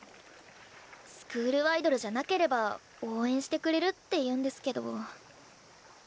スクールアイドルじゃなければ応援してくれるって言うんですけど。